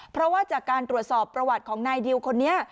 เพราะว่าจากการตรวจสอบประวัติของนายดิวคนนี้